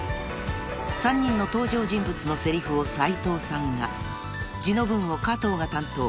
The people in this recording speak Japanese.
［３人の登場人物のせりふを斉藤さんが地の文を加藤が担当］